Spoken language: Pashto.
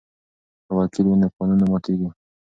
که وکیل وي نو قانون نه ماتیږي.